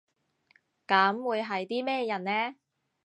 噉會係啲咩人呢？